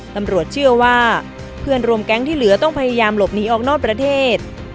ตำรวจเชื่อว่าเพื่อนรวมแก๊งที่เหลือต้องพยายามหลบหนีออกนอกประเทศ